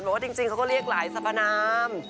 ว่าจริงเขาก็เรียกหลายสรรพนาม